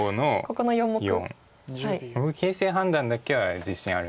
僕形勢判断だけは自信あるので。